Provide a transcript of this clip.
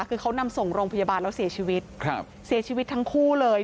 คือเขานำส่งโรงพยาบาลแล้วเสียชีวิตครับเสียชีวิตเสียชีวิตทั้งคู่เลย